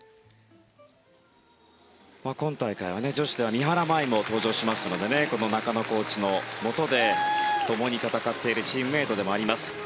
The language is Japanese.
今大会は女子では三原舞依も登場するのでこの中野コーチのもとで共に戦っているチームメートでもあります。